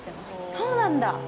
そうなんだ。